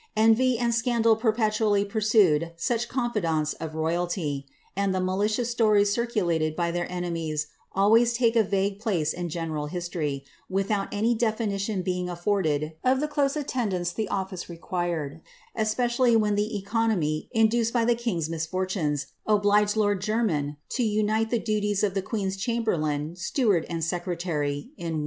En\'y and scandal perpetually pursued •och confidants of royalty, and the malicious stories circulated by their eoemies always take a vague place in general history, without any de finition being afforded of the close attendance the office required, espe cially when the economy induced by the king's misfortunes obliged lord Jermyn to unite the duties of the queen's chamberlain, steward, and •ecretary, in one.